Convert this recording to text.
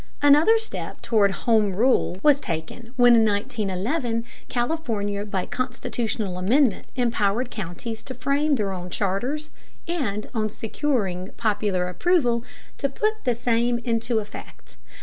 Another step toward home rule was taken when in 1911 California by constitutional amendment empowered counties to frame their own charters, and, on securing popular approval, to put the same into effect.